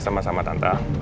sama sama tante